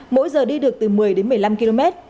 mỗi giờ đi được từ một mươi đến một mươi năm km